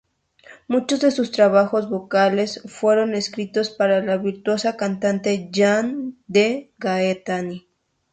Muchos de sus trabajos vocales fueron escritos para la virtuosa cantante Jan de Gaetani.